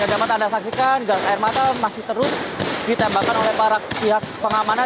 yang dapat anda saksikan gas air mata masih terus ditembakkan oleh para pihak pengamanan